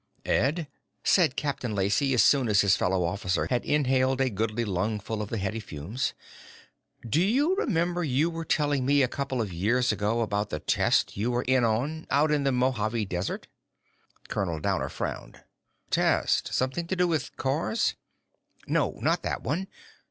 "Ed," said Captain Lacey as soon as his fellow officer had inhaled a goodly lungful of the heady fumes, "do you remember you were telling me a couple of years ago about some test you were in on out in the Mojave Desert?" Colonel Dower frowned. "Test? Something to do with cars?" "No, not that one.